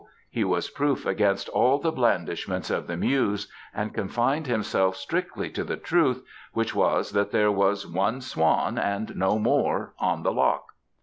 He was proof against all the blandishments of the Muse, and confined himself strictly to the truth, which was that there was one swan, and no more, on the loch.